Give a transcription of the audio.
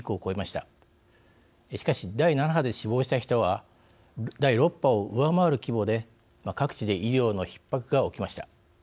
しかし、第７波で死亡した人は第６波を上回る規模で各地で医療のひっ迫が起きました。